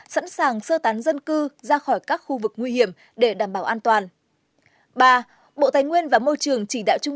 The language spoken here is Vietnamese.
sẵn sàng sơ tán dân cư ra khỏi các khu vực nguy hiểm để đảm bảo an toàn